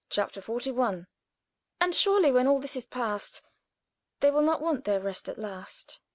CHAPTER XLI. "And surely, when all this is past They shall not want their rest at last."